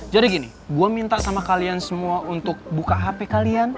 jadi gini gue minta sama kalian semua untuk buka hp kalian